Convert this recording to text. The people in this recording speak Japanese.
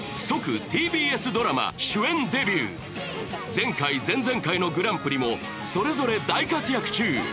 前回、前々回のグランプリもそれぞれ大活躍中。